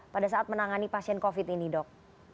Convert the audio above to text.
pada saat menangani pasien covid ini dok